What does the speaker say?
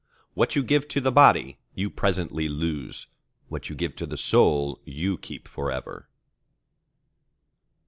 What you give to the body, you presently lose; what you give to the soul, you keep for ever.